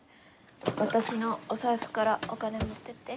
私のお財布からお金持って行って。